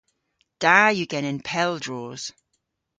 Da yw genen pel droos.